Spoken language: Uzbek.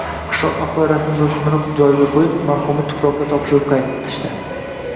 Qishloq ahli rusm-rusumini joyiga qo`yib, marhumni tuproqqa topshirib qaytishdi